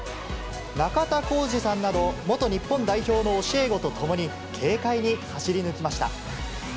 中田浩二さんなど、元日本代表の教え子と共に軽快に走り抜きました。